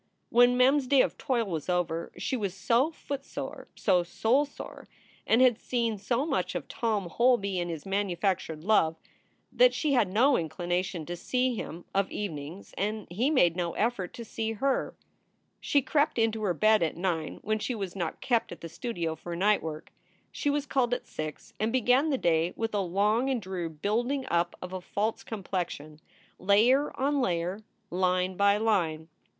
When Mem s day of toil was over she was so footsore, so soulsore, and had seen so much of Tom Holby and his manufactured love, that she had no inclination to see him of evenings, and he made no effort to see her. She crept into her bed at nine when she was not kept at the studio for night work. She was called at six and began the day with a long and dreary building up of a false complexion, layer on layer, line by line.